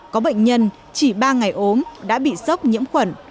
có bệnh nhân chỉ ba ngày ốm đã bị sốc nhiễm khuẩn